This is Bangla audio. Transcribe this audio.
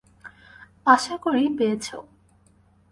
আশা করি পেয়েছ।